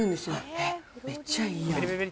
めっちゃいいやん。